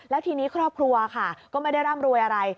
แล้วทีนี้ครอบครัวค่ะก็ไม่ได้ร่ำรวยอะไร